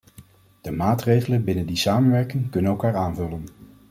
De maatregelen binnen die samenwerking kunnen elkaar aanvullen.